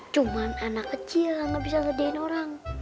cuman anak kecil gak bisa ngertiin orang